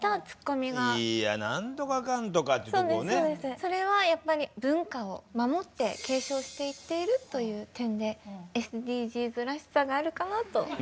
それはやっぱり文化を守って継承していっているという点でＳＤＧｓらしさがあるかなと。